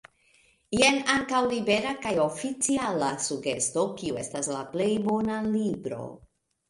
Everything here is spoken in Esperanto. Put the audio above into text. Jen ankaŭ libera kaj oficiala sugesto kiu estas “la plej bona libro”.